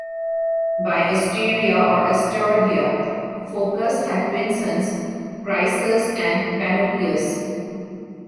By Asteria or Asterodia, Phocus had twin sons, Crisus and Panopeus.